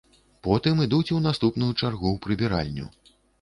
Потым ідуць у наступную чаргу ў прыбіральню.